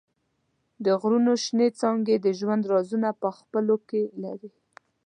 د غرونو شنېڅانګې د ژوند رازونه په خپلو کې لري.